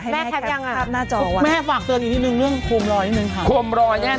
แม่แคปอย่างงั้นคุกแม่ฝากเตือนอีกทีนึงเรื่องโคมรอยนิดนึงค่ะ